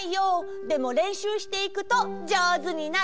でもれんしゅうしていくとじょうずになるよ！